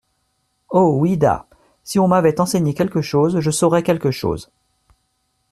Oh ! oui-da ! si on m’avait enseigné quelque chose, je saurais quelque chose.